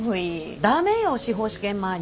駄目よ司法試験前に。